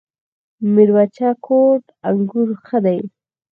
میربچه کوټ انګور ښه دي؟